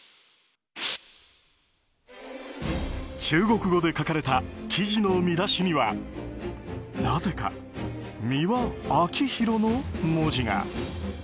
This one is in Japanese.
中国語で書かれた記事の見出しにはなぜか美輪明宏の文字が。